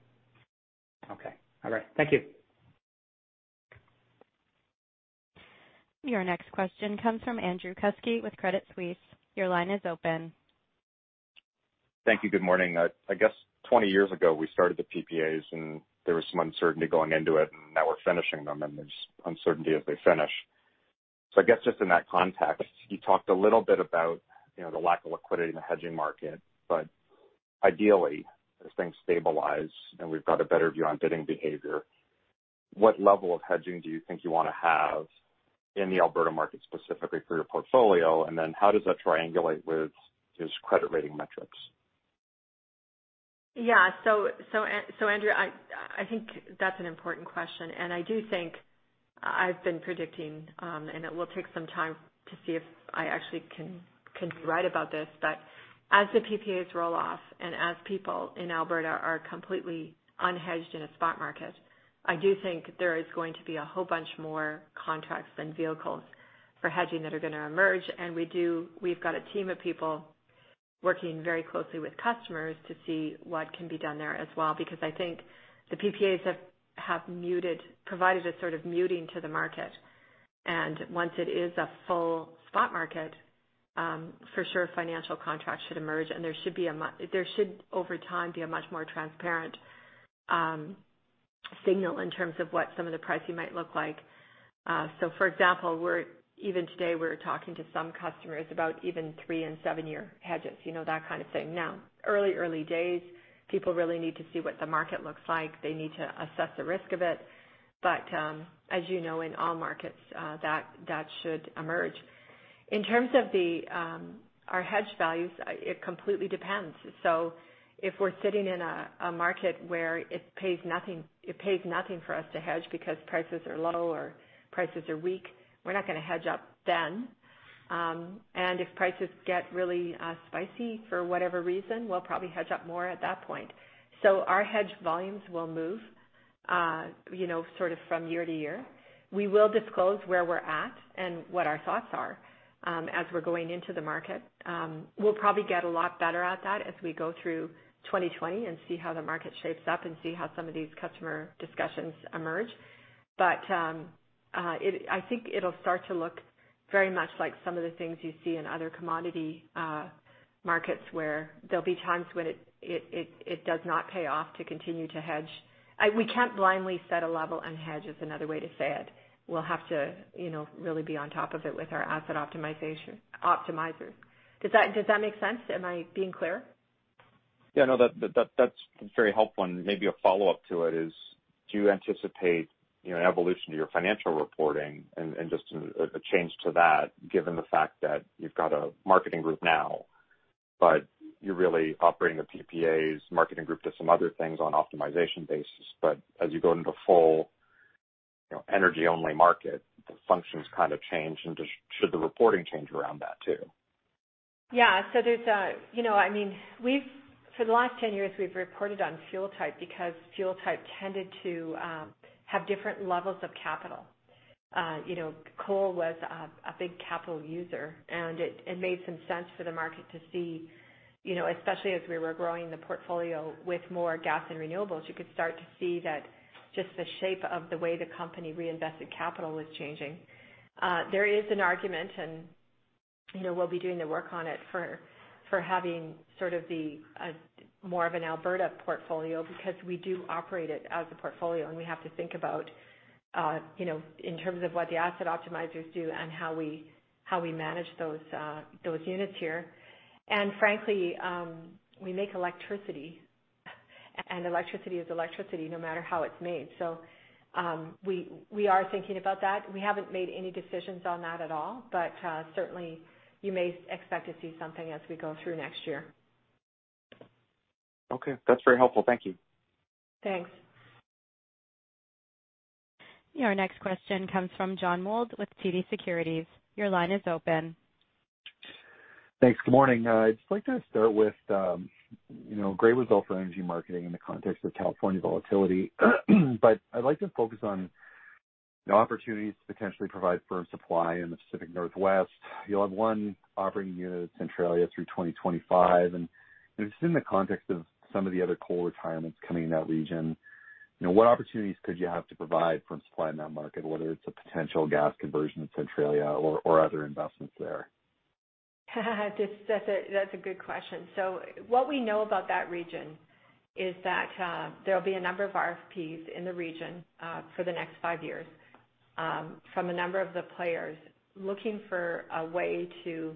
Okay. All right. Thank you. Your next question comes from Andrew Kuske with Credit Suisse. Your line is open. Thank you. Good morning. I guess 20 years ago, we started the PPAs, and there was some uncertainty going into it, and now we're finishing them, and there's uncertainty as they finish. I guess just in that context, you talked a little bit about the lack of liquidity in the hedging market. Ideally, as things stabilize and we've got a better view on bidding behavior, what level of hedging do you think you want to have in the Alberta market, specifically for your portfolio? How does that triangulate with his credit rating metrics? Yeah. Andrew, I think that's an important question, and I do think I've been predicting, and it will take some time to see if I actually can be right about this. As the PPAs roll off and as people in Alberta are completely unhedged in a spot market, I do think there is going to be a whole bunch more contracts than vehicles for hedging that are going to emerge. We've got a team of people working very closely with customers to see what can be done there as well. I think the PPAs have provided a sort of muting to the market. Once it is a full spot market, for sure financial contracts should emerge, and there should, over time, be a much more transparent signal in terms of what some of the pricing might look like. For example, even today, we're talking to some customers about even three and seven-year hedges, that kind of thing. Early days, people really need to see what the market looks like. They need to assess the risk of it. As you know, in all markets, that should emerge. In terms of our hedge values, it completely depends. If we're sitting in a market where it pays nothing for us to hedge because prices are low or prices are weak, we're not going to hedge up then. If prices get really spicy for whatever reason, we'll probably hedge up more at that point. Our hedge volumes will move sort of from year to year. We will disclose where we're at and what our thoughts are as we're going into the market. We'll probably get a lot better at that as we go through 2020 and see how the market shapes up and see how some of these customer discussions emerge. I think it'll start to look very much like some of the things you see in other commodity markets, where there'll be times when it does not pay off to continue to hedge. We can't blindly set a level and hedge, is another way to say it. We'll have to really be on top of it with our asset optimizer. Does that make sense? Am I being clear? Yeah, no. That's very helpful. Maybe a follow-up to it is, do you anticipate an evolution to your financial reporting and just a change to that, given the fact that you've got a marketing group now, but you're really operating the PPAs marketing group to some other things on optimization basis. As you go into full energy-only market, the functions kind of change. Should the reporting change around that, too? For the last 10 years, we've reported on fuel type because fuel type tended to have different levels of capital. Coal was a big capital user, it made some sense for the market to see, especially as we were growing the portfolio with more gas and renewables, you could start to see that just the shape of the way the company reinvested capital was changing. There is an argument, we'll be doing the work on it for having sort of more of an Alberta portfolio because we do operate it as a portfolio, we have to think about in terms of what the asset optimizers do and how we manage those units here. Frankly, we make electricity is electricity no matter how it's made. We are thinking about that. We haven't made any decisions on that at all. Certainly, you may expect to see something as we go through next year. Okay. That's very helpful. Thank you. Thanks. Your next question comes from John Mould with TD Securities. Your line is open. Thanks. Good morning. I'd just like to start with great result for energy marketing in the context of California volatility. I'd like to focus on the opportunities to potentially provide firm supply in the Pacific Northwest. You'll have one operating unit at Centralia through 2025. Just in the context of some of the other coal retirements coming in that region, what opportunities could you have to provide firm supply in that market, whether it's a potential gas conversion at Centralia or other investments there? That's a good question. What we know about that region is that there'll be a number of RFPs in the region for the next five years from a number of the players looking for a way to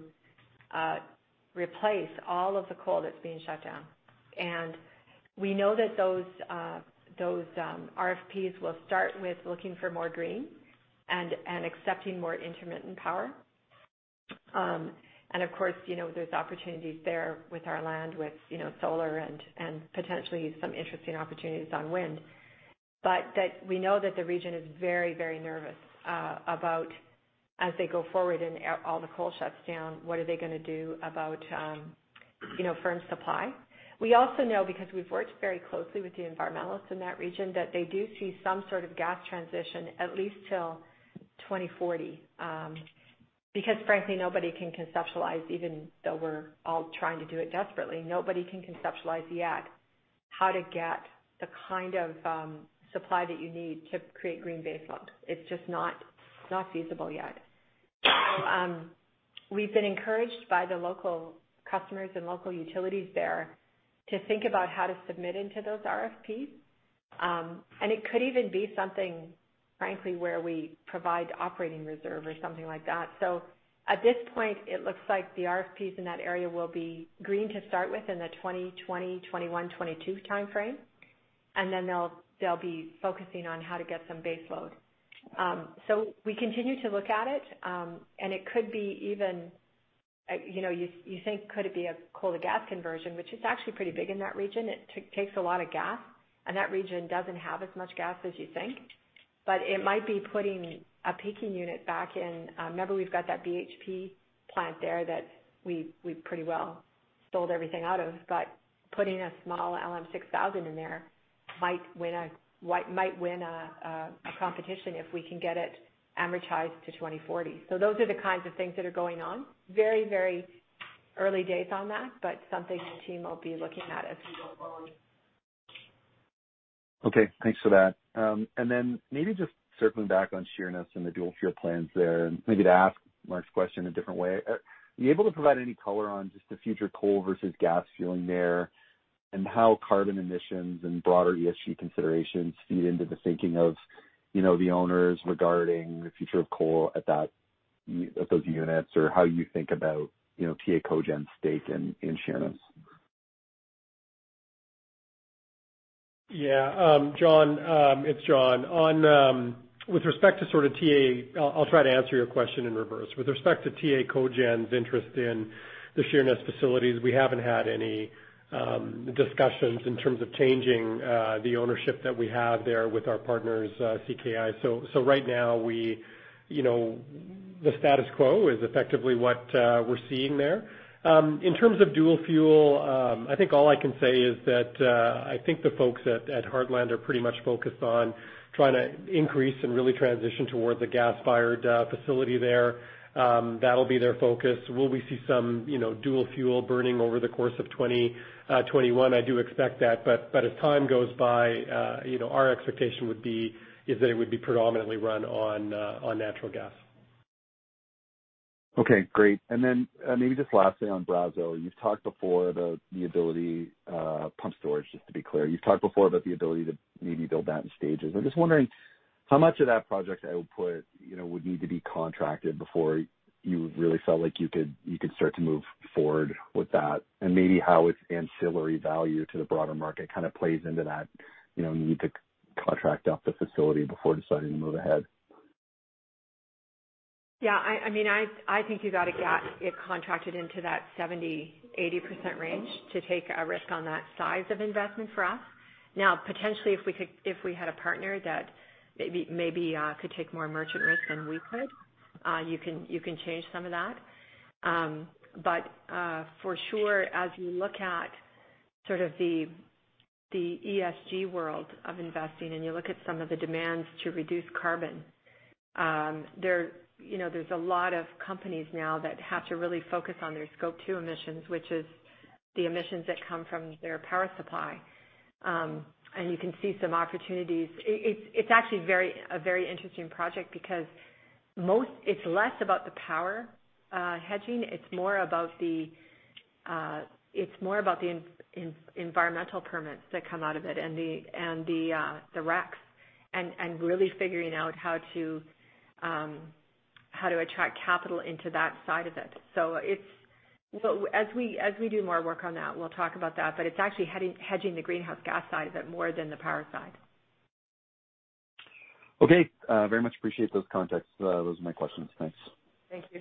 replace all of the coal that's being shut down. We know that those RFPs will start with looking for more green and accepting more intermittent power. Of course, there's opportunities there with our land, with solar and potentially some interesting opportunities on wind. We know that the region is very nervous about, as they go forward and all the coal shuts down, what are they going to do about firm supply. We also know, because we've worked very closely with the environmentalists in that region, that they do see some sort of gas transition at least till 2040. Frankly, nobody can conceptualize, even though we're all trying to do it desperately, nobody can conceptualize yet how to get the kind of supply that you need to create green baseload. It is just not feasible yet. We've been encouraged by the local customers and local utilities there to think about how to submit into those RFPs. It could even be something, frankly, where we provide operating reserve or something like that. At this point, it looks like the RFPs in that area will be green to start with in the 2020, 2021, 2022 timeframe. Then they'll be focusing on how to get some baseload. We continue to look at it, and it could be even, you think, could it be a coal to gas conversion, which is actually pretty big in that region. It takes a lot of gas. That region doesn't have as much gas as you think. It might be putting a peaking unit back in. Remember, we've got that BHP plant there that we pretty well sold everything out of, but putting a small LM6000 in there might win a competition if we can get it amortized to 2040. Those are the kinds of things that are going on. Very early days on that, but something the team will be looking at as we go along. Okay. Thanks for that. Maybe just circling back on Sheerness and the dual-fuel plans there, and maybe to ask Mark's question a different way. Are you able to provide any color on just the future coal versus gas fueling there, and how carbon emissions and broader ESG considerations feed into the thinking of the owners regarding the future of coal at those units, or how you think about TA Cogen's stake in Sheerness? Yeah. John, it's John. I'll try to answer your question in reverse. With respect to TA Cogen's interest in the Sheerness facilities, we haven't had any discussions in terms of changing the ownership that we have there with our partners, CKI. Right now, the status quo is effectively what we're seeing there. In terms of dual fuel, I think all I can say is that, I think the folks at Heartland are pretty much focused on trying to increase and really transition towards a gas-fired facility there. That'll be their focus. Will we see some dual fuel burning over the course of 2021? I do expect that. As time goes by, our expectation is that it would be predominantly run on natural gas. Okay. Great. Maybe just lastly on Brazeau. Pump storage, just to be clear. You've talked before about the ability to maybe build that in stages. I'm just wondering how much of that project output would need to be contracted before you really felt like you could start to move forward with that, and maybe how its ancillary value to the broader market kind of plays into that need to contract out the facility before deciding to move ahead. Yeah. I think you got to get it contracted into that 70%-80% range to take a risk on that size of investment for us. Potentially, if we had a partner that maybe could take more merchant risk than we could, you can change some of that. For sure, as you look at sort of the ESG world of investing and you look at some of the demands to reduce carbon, there's a lot of companies now that have to really focus on their Scope 2 emissions, which is the emissions that come from their power supply. You can see some opportunities. It's actually a very interesting project because it's less about the power hedging, it's more about the environmental permits that come out of it and the RECs, and really figuring out how to attract capital into that side of it. As we do more work on that, we'll talk about that, but it's actually hedging the greenhouse gas side of it more than the power side. Okay. Very much appreciate those context. Those are my questions. Thanks. Thank you.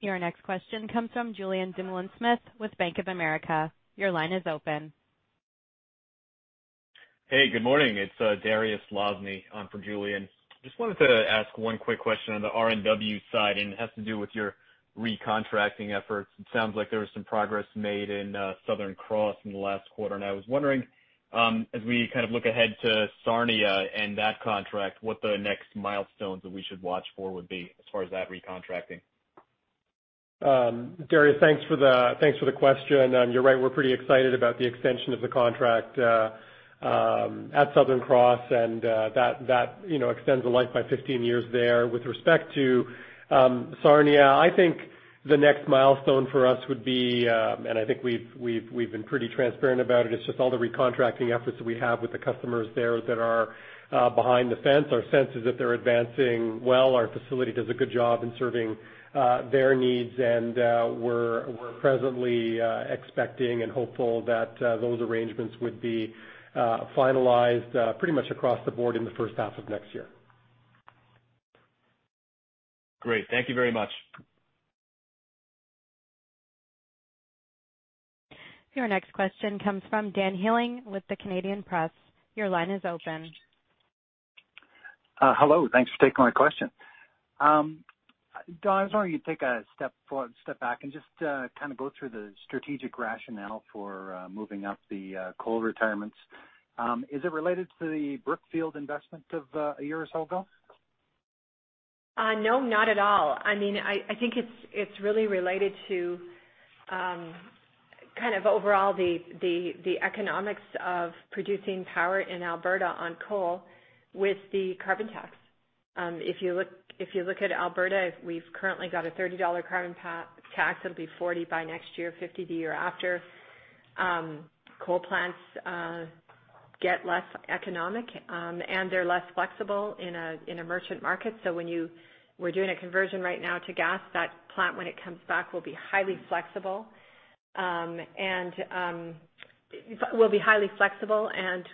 Your next question comes from Julien Dumoulin-Smith with Bank of America. Your line is open. Hey, good morning. It's Dariusz Lozny. I'm for Julien. Just wanted to ask one quick question on the RNW side. It has to do with your recontracting efforts. It sounds like there was some progress made in Southern Cross in the last quarter. I was wondering, as we kind of look ahead to Sarnia and that contract, what the next milestones that we should watch for would be as far as that recontracting? Dariusz, thanks for the question. You're right, we're pretty excited about the extension of the contract at Southern Cross, and that extends the life by 15 years there. With respect to Sarnia, I think the next milestone for us would be, and I think we've been pretty transparent about it, is just all the recontracting efforts that we have with the customers there that are behind the fence. Our sense is that they're advancing well. Our facility does a good job in serving their needs, we're presently expecting and hopeful that those arrangements would be finalized pretty much across the board in the first half of next year. Great. Thank you very much. Your next question comes from Dan Healing with The Canadian Press. Your line is open. Hello. Thanks for taking my question. Dawn, I was wondering if you could take a step back and just go through the strategic rationale for moving up the coal retirements. Is it related to the Brookfield investment of a year or so ago? Not at all. I think it's really related to kind of overall the economics of producing power in Alberta on coal with the carbon tax. If you look at Alberta, we've currently got a CAD 30 carbon tax. It'll be 40 by next year, 50 the year after. Coal plants get less economic, and they're less flexible in a merchant market. We're doing a conversion right now to gas. That plant, when it comes back, will be highly flexible and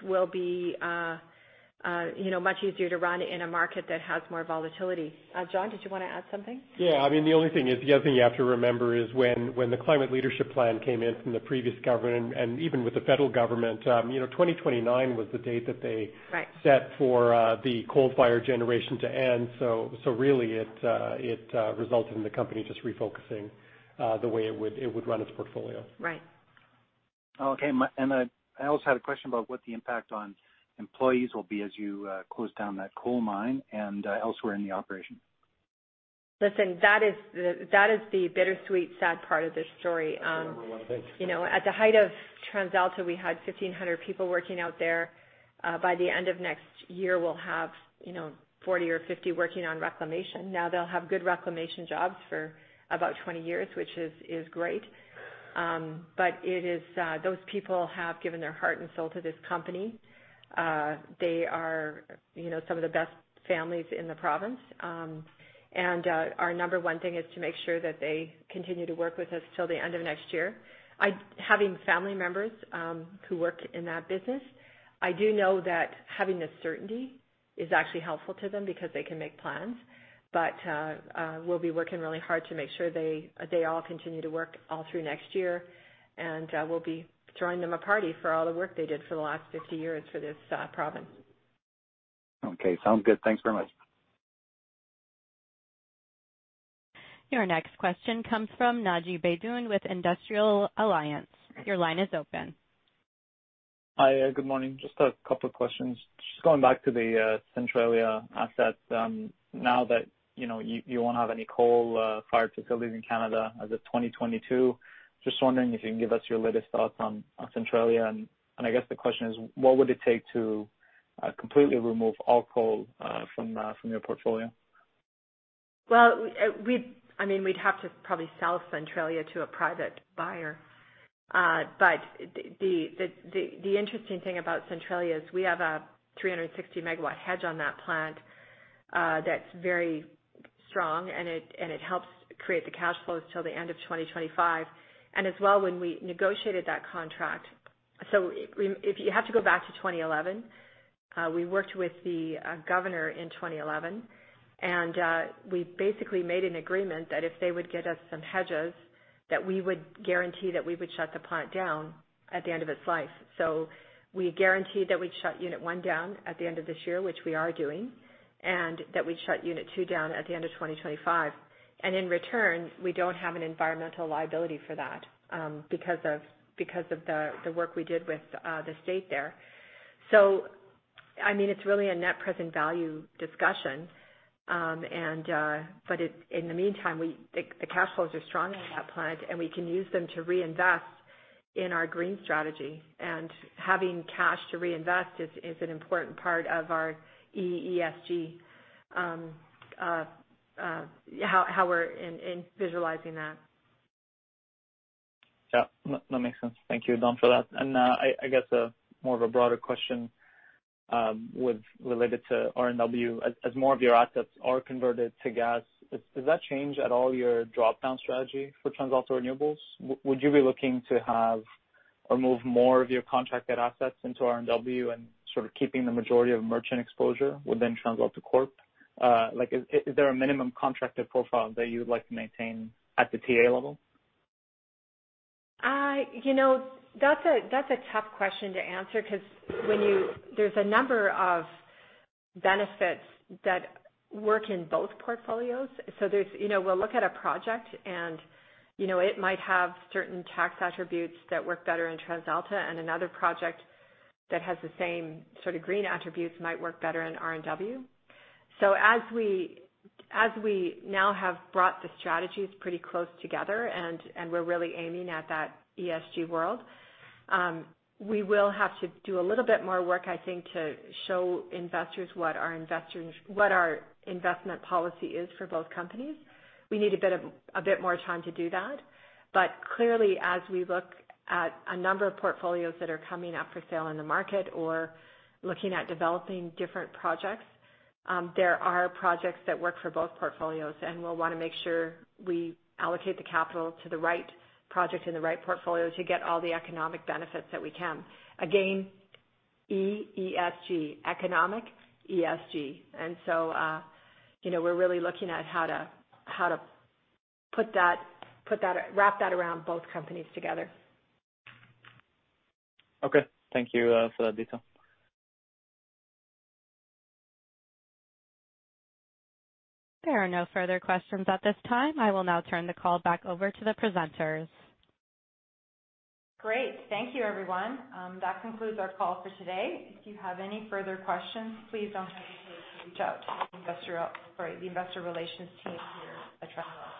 will be much easier to run in a market that has more volatility. John, did you want to add something? Yeah. The only thing you have to remember is when the Climate Leadership Plan came in from the previous government, and even with the federal government, 2029 was the date. Right set for the coal fire generation to end. Really, it resulted in the company just refocusing the way it would run its portfolio. Right. Okay. I also had a question about what the impact on employees will be as you close down that coal mine and elsewhere in the operation. Listen, that is the bittersweet, sad part of this story. That's the number one thing. At the height of TransAlta, we had 1,500 people working out there. By the end of next year, we'll have 40 or 50 working on reclamation. They'll have good reclamation jobs for about 20 years, which is great. Those people have given their heart and soul to this company. They are some of the best families in the province. Our number one thing is to make sure that they continue to work with us till the end of next year. Having family members who work in that business, I do know that having the certainty is actually helpful to them because they can make plans. We'll be working really hard to make sure they all continue to work all through next year, and we'll be throwing them a party for all the work they did for the last 50 years for this province. Okay, sounds good. Thanks very much. Your next question comes from Naji Baydoun with Industrial Alliance. Your line is open. Hi. Good morning. Just a couple of questions. Just going back to the Centralia asset. Now that you won't have any coal-fired facilities in Canada as of 2022. Just wondering if you can give us your latest thoughts on Centralia, and I guess the question is, what would it take to completely remove all coal from your portfolio? Well, we'd have to probably sell Centralia to a private buyer. The interesting thing about Centralia is we have a 360 MW hedge on that plant that's very strong, and it helps create the cash flows till the end of 2025. As well, when we negotiated that contract, if you have to go back to 2011, we worked with the governor in 2011, and we basically made an agreement that if they would get us some hedges, that we would guarantee that we would shut the plant down at the end of its life. We guaranteed that we'd shut Unit 1 down at the end of this year, which we are doing, and that we'd shut Unit 2 down at the end of 2025. In return, we don't have an environmental liability for that because of the work we did with the state there. It's really a net present value discussion. In the meantime, the cash flows are strong on that plant, and we can use them to reinvest in our green strategy. Having cash to reinvest is an important part of our ESG, how we're visualizing that. Yeah. No, that makes sense. Thank you, Dawn, for that. I guess more of a broader question related to RNW. As more of your assets are converted to gas, does that change at all your drop-down strategy for TransAlta Renewables? Would you be looking to have or move more of your contracted assets into RNW and sort of keeping the majority of merchant exposure within TransAlta Corp? Is there a minimum contracted profile that you would like to maintain at the TA level? That's a tough question to answer because there's a number of benefits that work in both portfolios. We'll look at a project, and it might have certain tax attributes that work better in TransAlta, and another project that has the same sort of green attributes might work better in RNW. As we now have brought the strategies pretty close together, and we're really aiming at that ESG world, we will have to do a little bit more work, I think, to show investors what our investment policy is for both companies. We need a bit more time to do that. Clearly, as we look at a number of portfolios that are coming up for sale in the market or looking at developing different projects, there are projects that work for both portfolios, and we'll want to make sure we allocate the capital to the right project and the right portfolio to get all the economic benefits that we can. Again, E2SG, economic ESG. We're really looking at how to wrap that around both companies together. Okay. Thank you for that detail. There are no further questions at this time. I will now turn the call back over to the presenters. Great. Thank you, everyone. That concludes our call for today. If you have any further questions, please don't hesitate to reach out to the investor relations team here at TransAlta.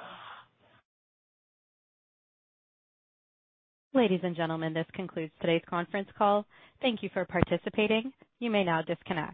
Ladies and gentlemen, this concludes today's conference call. Thank you for participating. You may now disconnect.